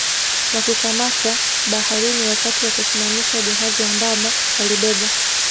Wakikamatwa baharini wakati wa kusimamisha jahazi ambamo walibebwa